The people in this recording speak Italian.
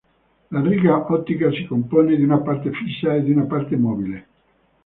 La riga ottica si compone di una parte fissa e di una parte mobile.